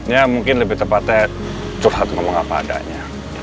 ya mungkin lebih tepatnya curhat ngomong apa adanya